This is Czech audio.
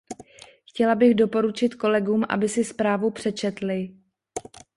Chtěla bych doporučit kolegům, aby si zprávu přečetli.